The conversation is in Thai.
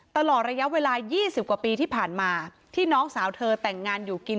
ตลอดระยะเวลา๒๐กว่าปีที่ผ่านมาที่น้องสาวเธอแต่งงานอยู่กิน